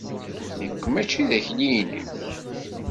Nekk mačči d akli-inek.